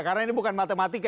karena ini bukan matematika